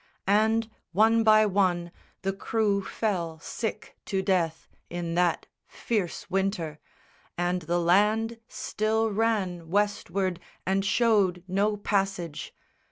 And one by one the crew fell sick to death In that fierce winter, and the land still ran Westward and showed no passage.